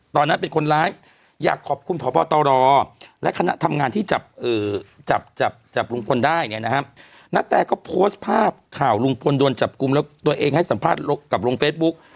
ตอนนั้นเป็นคนร้ายอยากขอบคุณพบตรและคณะทำงานที่จับจับลุงพลได้เนี่ยนะฮะณแตก็โพสต์ภาพข่าวลุงพลโดนจับกลุ่มแล้วตัวเองให้สัมภาษณ์กับลงเฟซบุ๊ก